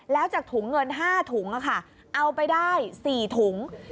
แล้วจากถุงเงิน๕ถุงเอาไปได้๔ถุง